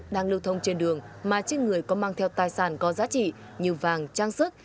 đang lưu thông trên đường mà trên người có mang theo tài sản có giá trị như vàng trang sức